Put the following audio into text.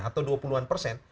atau dua puluh an persen